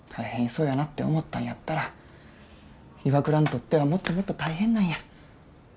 そうやなって思ったんやったら岩倉にとってはもっともっと大変なんや。